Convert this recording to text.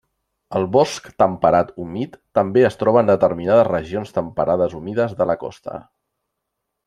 El bosc temperat humit també es troba en determinades regions temperades humides de la costa.